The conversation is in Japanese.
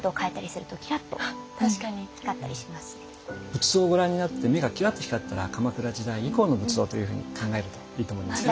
仏像をご覧になって目がキラッと光ったら鎌倉時代以降の仏像というふうに考えるといいと思います。